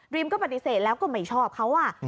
ดรีมก็ปฏิเสธแล้วก็ไม่ชอบเขาอะ